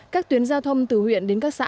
các tuyến giao thông từ huyện đến các xã